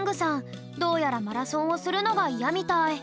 どうやらマラソンをするのがイヤみたい。